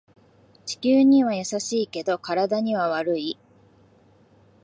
地球には優しいけど体には悪い